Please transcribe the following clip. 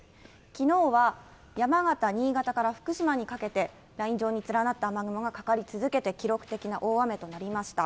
きのうは山形、新潟から福島にかけて、ライン上に連なった雨雲がかかり続けて、記録的な大雨となりました。